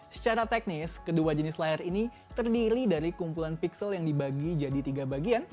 secara teknis kedua jenis layar ini terdiri dari kumpulan pixel yang dibagi jadi tiga bagian